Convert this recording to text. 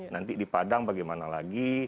nanti di padang bagaimana lagi